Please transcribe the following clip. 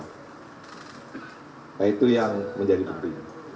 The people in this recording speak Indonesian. nah itu yang menjadi bukti